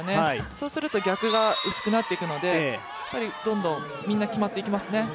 そうすると逆が薄くなっていくのでどんどんみんな決まっていきますね。